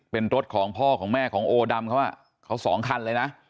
เป็นรถของพ่อของแม่ของโอดำเขาเขาสองคันเลยนะ